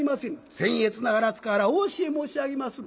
せん越ながら塚原お教え申し上げまする。